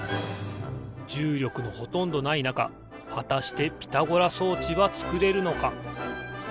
じゅうりょくのほとんどないなかはたしてピタゴラ装置はつくれるのか？